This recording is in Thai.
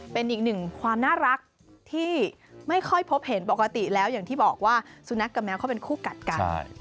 เป็นอีกหนึ่งความน่ารักที่ไม่ค่อยพบเห็นปกติแล้วอย่างที่บอกว่าสุนัขกับแมวเขาเป็นคู่กัดกัน